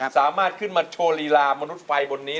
สามารถขึ้นมาโชว์ลีลามนุษย์ไฟบนนี้